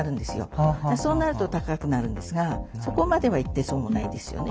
そうなると高くなるんですがそこまではいってそうもないですよね。